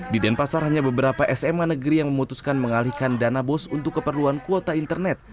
di denpasar hanya beberapa sma negeri yang memutuskan mengalihkan dana bos untuk keperluan kuota internet